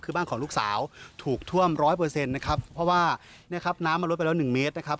คือบ้านของลูกสาวถูกท่วมร้อยเปอร์เซ็นต์นะครับเพราะว่าเนี่ยครับน้ำมาลดไปแล้วหนึ่งเมตรนะครับ